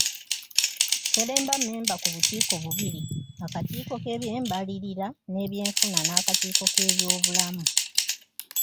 Sseremba mmemba ku bukiiko bubiri; akakiiko k'ebyembalirira n'ebyenfuna n'akakiiko k'ebyobulamu